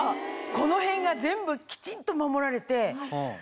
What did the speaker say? この辺が全部きちんと守られて。